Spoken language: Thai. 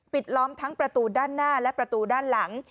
ล้อมทั้งประตูด้านหน้าและประตูด้านหลัง